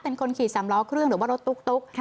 เป็นคนขี่สามล้อเครื่องหรือว่ารถตุ๊ก